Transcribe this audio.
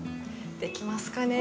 できますかね。